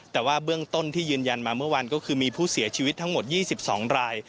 แต่ว่าเบื้องต้นที่ยืนยันมาเมื่อวันก็คือมีผู้เสียชีวิตทั้งหมด๒๒ราย